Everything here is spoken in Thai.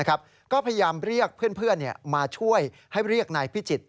ก็พยายามเรียกเพื่อนมาช่วยให้เรียกนายพิจิตร